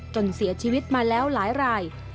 จนเสียชีวิตมาแล้วหลายราย